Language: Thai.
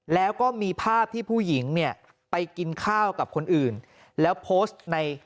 แล้วก็มีภาพที่ผู้หญิงเนี่ยไปกินข้าวกับคนอื่นแล้วโพสต์ใน